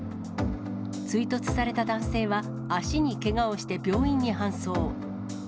追突された男性は、足にけがをして病院に搬送。